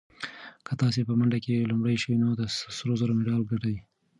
که تاسي په منډه کې لومړی شئ نو د سرو زرو مډال ګټئ.